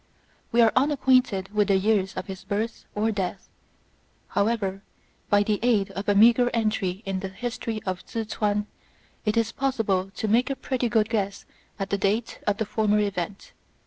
We are unacquainted with the years of his birth or death ; however, by the aid of a meagre entry in the History of Tzu chou it is possible to make a pretty good guess at INTRODUCTION. XV11 the date of the former event.